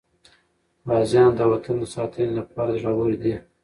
غازیان د وطن د ساتنې لپاره زړور دي.